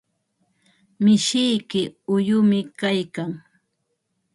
Mishiyki uyumi kaykan.